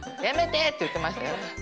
やめてって言ってましたよ。